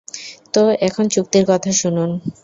তো, এখন চুক্তির কথা শুনুন।